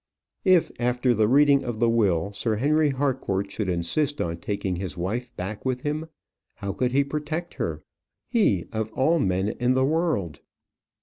If, after the reading of the will, Sir Henry Harcourt should insist on taking his wife back with him, how could he protect her he, of all men in the world?